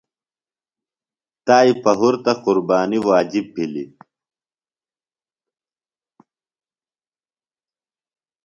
تائی پہُرتہ قربانیۡ واجب بِھلیۡ۔